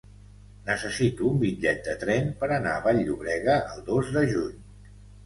Necessito un bitllet de tren per anar a Vall-llobrega el dos de juny.